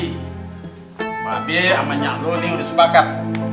mbak be sama nyanggo nih udah sepakat